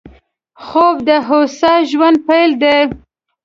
خوب د هوسا ژوند پيل دی